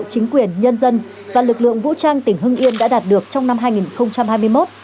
chính quyền nhân dân và lực lượng vũ trang tỉnh hưng yên đã đạt được trong năm hai nghìn hai mươi một